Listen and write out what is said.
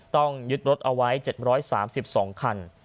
ต้องยึดรถเอาไว้๗๓๒คัน